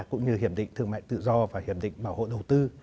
cũng như hiệp định thương mại tự do và hiệp định bảo hộ đầu tư